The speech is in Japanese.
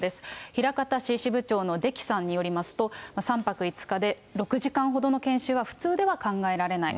枚方市支部長の出来さんによりますと、３泊５日で６時間ほどの研修は、普通では考えられない。